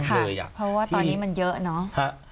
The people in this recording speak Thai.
เพราะว่าตอนนี้มันเยอะเนาะ